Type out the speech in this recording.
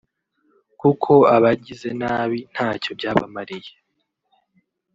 kuko abagize nabi ntacyo byabamariye